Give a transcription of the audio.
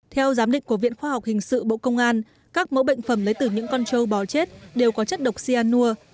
theo giám định của viện khoa học hình sự bộ công an các mẫu bệnh phẩm lấy từ những con trâu bò chết đều có chất độc cyanur